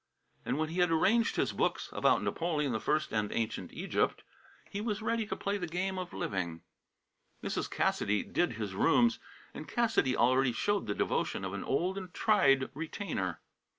And when he had arranged his books about Napoleon I and ancient Egypt he was ready to play the game of living. Mrs. Cassidy "did" his rooms, and Cassidy already showed the devotion of an old and tried retainer.